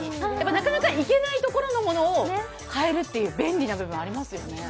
なかなか行けないところのものを買えるっていう便利な部分ありますよね。